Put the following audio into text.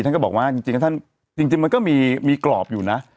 ท่านก็บอกว่าจริงท่านจริงมันก็มีกรอบอยู่นะ